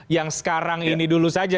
yang sekarang ini dulu saja